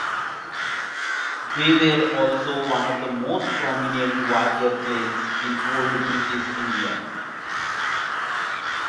They were also one of the most prominent warrior clans in old British India.